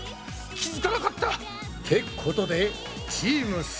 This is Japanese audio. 気付かなかった！ってことでチームす